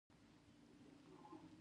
پدیده پوه وایي ستا تاویل غلط دی.